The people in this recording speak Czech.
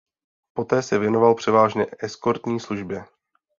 Poté se věnoval převážně eskortní službě.